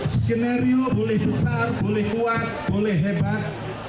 skenario boleh besar boleh kuat boleh hebat